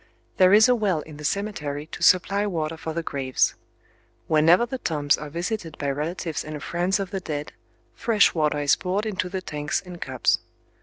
There is a well in the cemetery to supply water for the graves. Whenever the tombs are visited by relatives and friends of the dead, fresh water is poured into the tanks and cups.